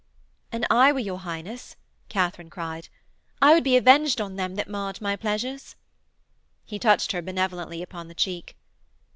'An I were your Highness,' Katharine cried, 'I would be avenged on them that marred my pleasures.' He touched her benevolently upon the cheek.